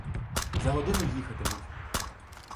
За годину їхатимуть.